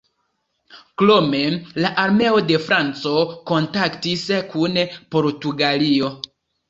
Krome la armeo de Franco kontaktis kun Portugalio.